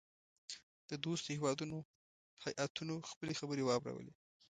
د دوستو هیوادو هیاتونو خپلي خبرې واورلې.